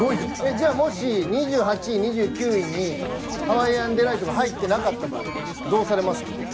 じゃあもし２８位２９位にハワイアンデライトが入ってなかった場合どうされますか？